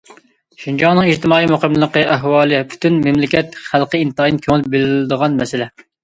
شىنجاڭنىڭ ئىجتىمائىي مۇقىملىقى ئەھۋالى پۈتۈن مەملىكەت خەلقى ئىنتايىن كۆڭۈل بۆلىدىغان مەسىلە.